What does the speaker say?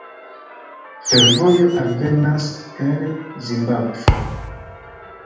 Fervojo alvenas el Zimbabvo.